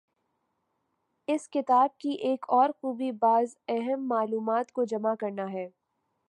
اس کتاب کی ایک اور خوبی بعض اہم معلومات کو جمع کرنا ہے۔